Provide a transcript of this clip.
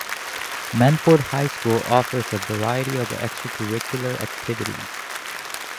Mannford High School offers a variety of extracurricular activities.